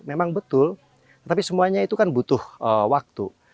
memang betul tapi semuanya itu kan butuh waktu